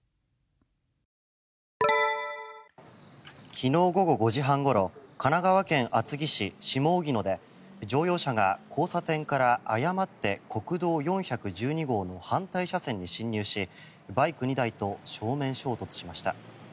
昨日午後５時半ごろ神奈川県厚木市下荻野で乗用車が交差点から誤って国道４１２号の反対車線に進入しバイク２台と正面衝突しました。